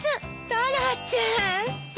タラちゃん。